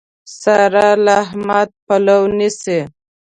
سارا له احمده پلو نيسي.